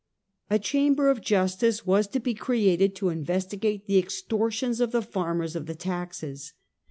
A Chamber of Justice was to be created to investigate the extortions of the farmers of the taxes.